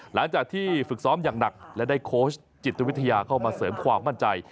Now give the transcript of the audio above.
หลังจากที่ฝึกซ้อมอย่างหนักและได้โค้ชจิตวิทยาเข้ามาเสริมความมั่นใจ